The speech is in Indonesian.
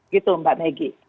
gitu mbak maggie